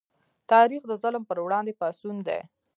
تاریخ د ظلم پر وړاندې پاڅون دی.